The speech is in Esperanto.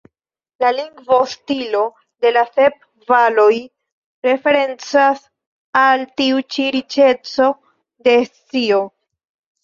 La lingvo-stilo de la "Sep Valoj" referencas al tiu ĉi riĉeco de scio.